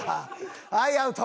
はいアウト！